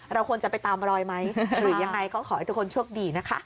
เราควรจะไปตามรอยไหมหรือยังไงก็ขอให้ทุกคนโชคดีนะคะ